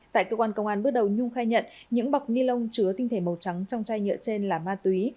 tại cơ quan công an bước đầu nhung khai nhận những bọc ni lông chứa tinh thể màu trắng trong chai nhựa trên là ma túy